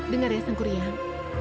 dengar ya sang gurian